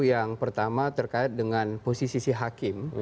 yang pertama terkait dengan posisi si hakim